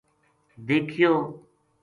دیکھیو